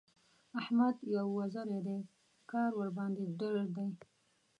احمد يو وزری دی؛ کار ورباندې ډېر دی.